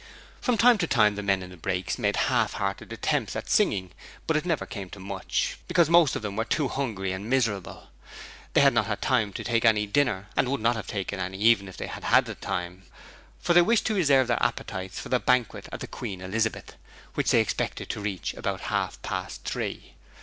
From time to time the men in the brakes made half hearted attempts at singing, but it never came to much, because most of them were too hungry and miserable. They had not had time to take any dinner and would not have taken any even if they had the time, for they wished to reserve their appetites for the banquet at the Queen Elizabeth, which they expected to reach about half past three.